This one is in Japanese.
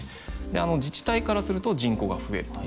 自治体からすると人口が増えると。